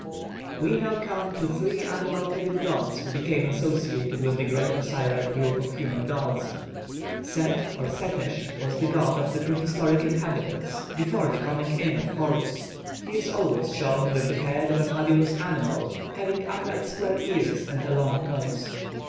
We now come to three animal headed gods who became associated with the great Osiride group of human gods. +Set+ or +Setesh+ was the god of the prehistoric inhabitants before the coming in of Horus. He is always shown with the head of a fabulous animal, having upright square ears and a long nose.